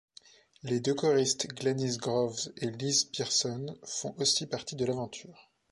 Les deux choristes Glenys Groves et Liz Pearson font aussi partie de l'aventure.